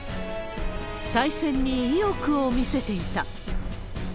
再選に意欲を見せていた。